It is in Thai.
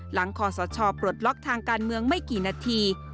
คอสชปลดล็อกทางการเมืองไม่กี่นาที